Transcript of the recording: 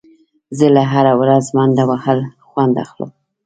زه له هره ورځ منډه وهل خوند اخلم.